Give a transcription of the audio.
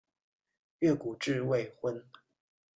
越谷治未婚。